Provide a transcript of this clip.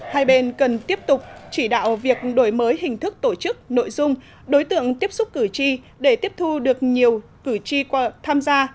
hai bên cần tiếp tục chỉ đạo việc đổi mới hình thức tổ chức nội dung đối tượng tiếp xúc cử tri để tiếp thu được nhiều cử tri tham gia